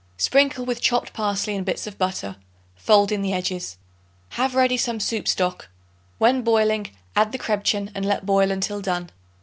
Sprinkle with chopped parsley and bits of butter; fold in the edges. Have ready some soup stock; when boiling, add the crebchen and let boil until done.